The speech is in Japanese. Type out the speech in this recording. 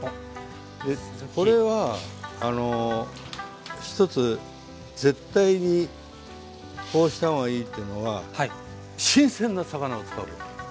これは一つ絶対にこうした方がいいというのは新鮮な魚を使うこと！